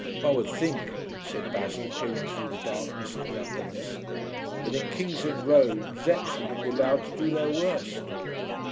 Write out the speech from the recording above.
'One would think,' said Basil, peering through the darkness at the ugliness, 'that in Kingsland Road Zepps might be allowed to do their worst.'